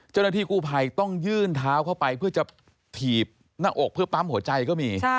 เจ้าหน้าที่กู้ภัยต้องยื่นเท้าเข้าไปเพื่อจะถีบหน้าอกเพื่อปั๊มหัวใจก็มี